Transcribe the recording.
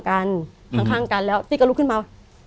กันข้างกันแล้วตี้ก็ลุกขึ้นมา